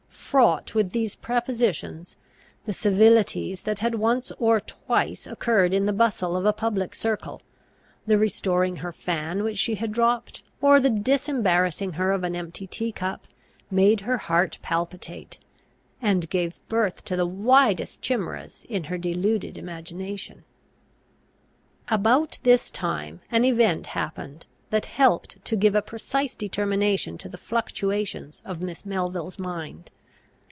Fraught with these prepossessions, the civilities that had once or twice occurred in the bustle of a public circle, the restoring her fan which she had dropped, or the disembarrassing her of an empty tea cup, made her heart palpitate, and gave birth to the wildest chimeras in her deluded imagination. About this time an event happened, that helped to give a precise determination to the fluctuations of Miss Melville's mind.